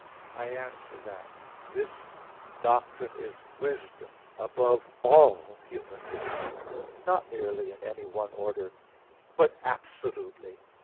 I answer that, This doctrine is wisdom above all human wisdom; not merely in any one order, but absolutely.